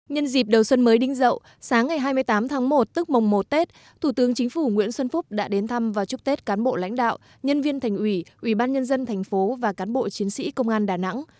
nhân dịp đầu xuân mới đánh dậu sáng ngày hai mươi tám tháng một tức mồng một tết thủ tướng chính phủ nguyễn xuân phúc đã đến thăm và chúc tết cán bộ lãnh đạo nhân viên thành ủy ủy ban nhân dân thành phố và cán bộ chiến sĩ công an đà nẵng